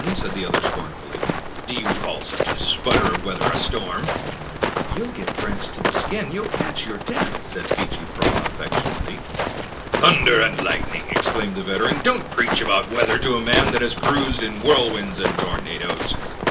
" said the other scornfully, " do you call such a sputter of weather a storm ?"" You'll get drenched to the skin ; you'll catch your death !" said Peechy Prauw affectionately. *' Thunder and lightning! " exclaimed the veteran ;" don't preach about weather to a man that has cruised in whirl winds and tornadoes."